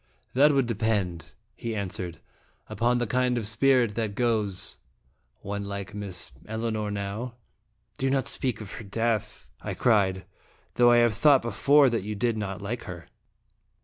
" That would depend," he answered, "upon the kind of spirit that goes. One like Miss Elinor now " "Do not speak of her death," I cried; "though I have thought before that you did not like her."